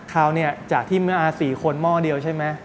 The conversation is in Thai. คราวนี้จากที่เมื่ออา๔คนหม้อเดียวใช่ไหม